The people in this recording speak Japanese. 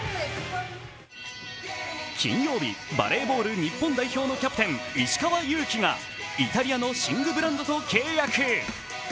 金曜日、バレーボール日本代表のキャプテン・石川祐希がイタリアの寝具ブランドと契約。